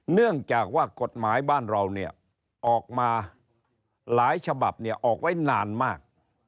เนื่องจากว่ากฎหมายบ้านเราเนี่ยออกมาหลายฉบับออกไว้นานมาก